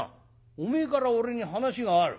「おめえから俺に話がある？